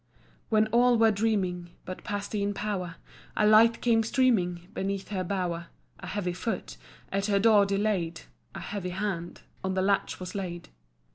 When all were dreaming But Pastheen Power, A light came streaming Beneath her bower: A heavy foot At her door delayed, A heavy hand On the latch was laid.